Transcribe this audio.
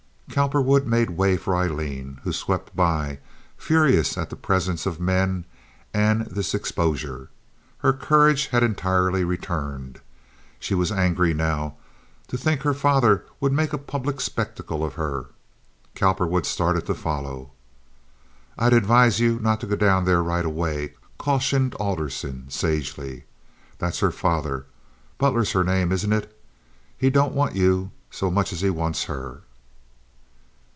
Cowperwood made way for Aileen, who swept by, furious at the presence of men and this exposure. Her courage had entirely returned. She was angry now to think her father would make a public spectacle of her. Cowperwood started to follow. "I'd advise you not to go down there right away," cautioned Alderson, sagely. "That's her father. Butler's her name, isn't it? He don't want you so much as he wants her."